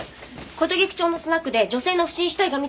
琴菊町のスナックで女性の不審死体が見つかったって。